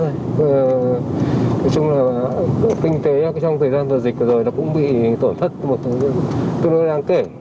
nói chung là kinh tế trong thời gian vừa dịch vừa rồi nó cũng bị tổn thất một tương đối đáng kể